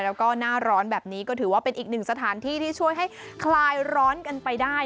แล้วก็หน้าร้อนแบบนี้ก็ถือว่าเป็นอีกหนึ่งสถานที่ที่ช่วยให้คลายร้อนกันไปได้